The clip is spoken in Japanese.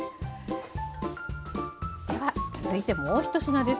では続いてもう１品です。